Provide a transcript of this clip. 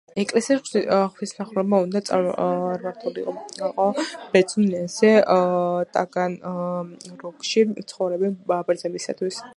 ეკელსიაში ღვთისმსახურება უნდა წარმართულიყო ბერძნულ ენაზე ტაგანროგში მცხოვრები ბერძნებისათვის.